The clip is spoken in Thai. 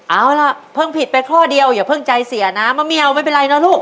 เอาล่ะเพิ่งผิดไปข้อเดียวอย่าเพิ่งใจเสียนะมะเมียวไม่เป็นไรนะลูก